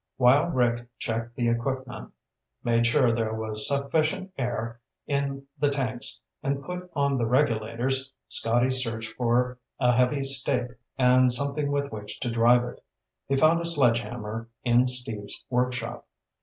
While Rick checked the equipment, made sure there was sufficient air in the tanks, and put on the regulators, Scotty searched for a heavy stake and something with which to drive it. He found a sledge hammer in Steve's workshop.